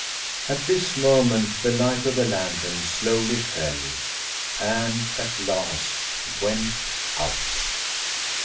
At this moment, the light of the lantern slowly fell, and at last went out!